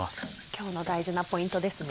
今日の大事なポイントですね。